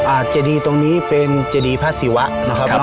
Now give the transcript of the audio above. เจดีตรงนี้เป็นเจดีพระศิวะนะครับ